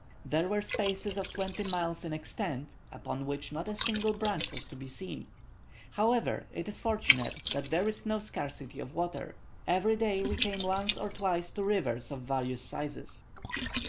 There were spaces of twenty miles in extent, upon which not a single branch was to be seen. However, it is fortunate that there is no scarcity of water; every day we came once or twice to rivers of various sizes.